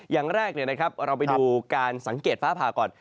อย่างแรกเราไปดูการสังเกตฟ้าผ่าก่อน